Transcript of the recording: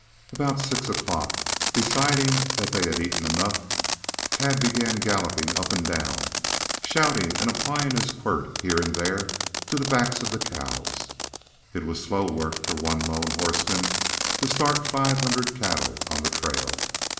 About six o'clock, deciding that they had eaten enough, Tad began galloping up and down, shouting and applying his quirt here and there to the backs of the cows. It was slow work for one lone horseman to start five hundred cattle on the trail.